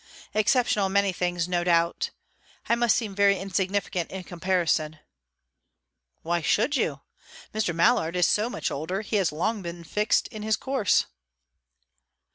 "Exceptional in many things, no doubt. I must seem very insignificant in comparison." "Why should you? Mr. Mallard is so much older; he has long been fixed in his course."